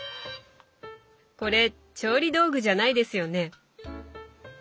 これ調理道具じゃないですよね。